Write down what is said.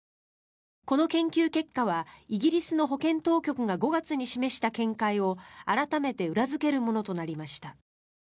この研究結果はイギリスの保健当局が５月に示した見解を改めて裏付けるものとなりました。